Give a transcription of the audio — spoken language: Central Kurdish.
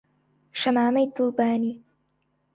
شەمامەی دڵبانی